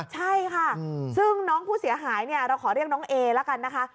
ใช่ค่ะซึ่งน้องผู้เสียหายเนี่ยเราขอเรียกน้องเอละกันนะคะ